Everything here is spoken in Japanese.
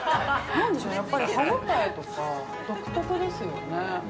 ◆何でしょうね、やっぱり歯応えとか独特ですよね。